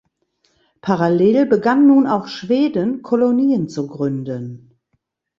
Parallel begann nun auch Schweden Kolonien zu gründen.